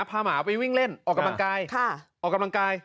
พาหมาไปวิ่งเล่นออกกำลังกาย